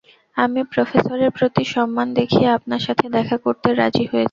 আমি প্রফেসরের প্রতি সম্মান দেখিয়ে আপনার সাথে দেখা করতে রাজি হয়েছি।